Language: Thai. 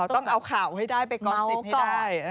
ต้องเอาข่าวให้ได้ไปก่อน๑๐ให้ได้